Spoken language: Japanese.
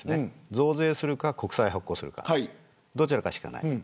増税するか国債発行するかどちらかしかない。